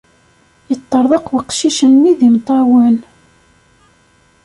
Yeṭṭerḍeq weqcic-nni d imeṭṭawen.